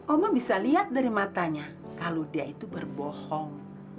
omang bisa lihat dari matanya kalau dia itu berbohong